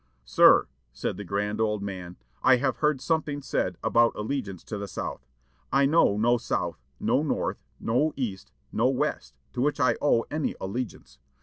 "Sir," said the grand old man, "I have heard something said about allegiance to the South. I know no South, no North, no East, no West, to which I owe any allegiance....